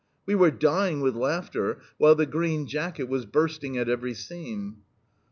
We were dying with laughter, while the green jacket was bursting at every seam.